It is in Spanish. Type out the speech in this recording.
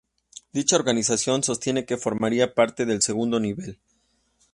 Dicha organización sostiene que formaría parte del segundo nivel.